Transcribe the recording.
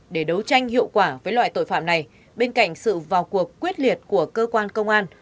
để đấu tranh hiệu quả với loại tội phạm này bên cạnh sự vào cuộc quyết liệt của cơ quan công an